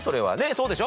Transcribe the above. そうでしょ？